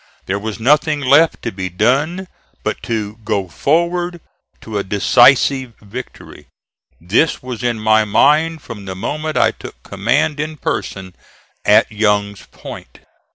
There was nothing left to be done but to go FORWARD TO A DECISIVE VICTORY. This was in my mind from the moment I took command in person at Young's Point.